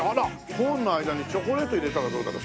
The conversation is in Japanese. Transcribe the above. コーンの間にチョコレート入れたらどうだろう？